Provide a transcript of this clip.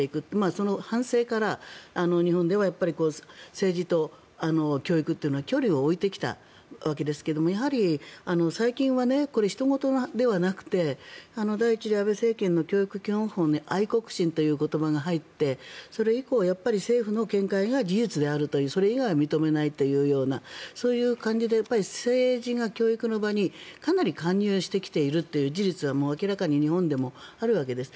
その反省から日本では政治と教育というのは距離を置いてきたわけですがやはり最近はひと事ではなくて第１次安倍政権の教育基本法に愛国心という言葉が入ってそれ以降政府の見解が事実であるとそれ以外は認めないというようなそういう感じで政治が教育の場にかなり介入してきているという事実は明らかに日本でもあるわけです。